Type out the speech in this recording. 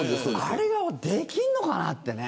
あれをできるのかなって。